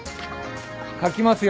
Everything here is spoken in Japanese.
書きますよ。